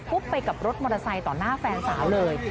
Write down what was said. ไปกับรถมอเตอร์ไซค์ต่อหน้าแฟนสาวเลย